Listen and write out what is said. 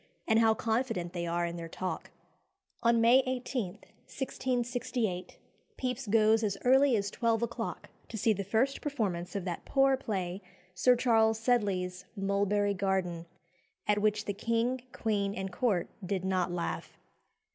and how confident they are in their talk!" On May 18, 1668, Pepys goes as early as twelve o'clock to see the first performance of that poor play, Sir Charles Sedley's "Mulberry Garden," at which the king, queen, and court did not laugh.